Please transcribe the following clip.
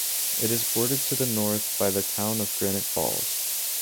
It is bordered to the north by the town of Granite Falls.